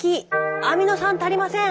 アミノ酸足りません！」。